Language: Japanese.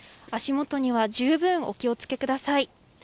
足元には十分お気を付けください。